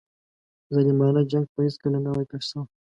ظالمانه جنګ به هیڅکله نه وای پېښ شوی.